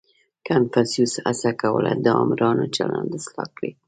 • کنفوسیوس هڅه کوله، د آمرانو چلند اصلاح کړي.